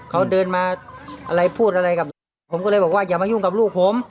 เขาเดินมาอะไรพูดอะไรกับผมก็เลยบอกว่าอย่ามายุ่งกับลูกผม